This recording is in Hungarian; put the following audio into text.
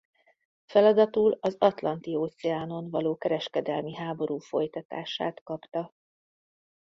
Feladatul az Atlanti-óceánon való kereskedelmi háború folytatását kapta.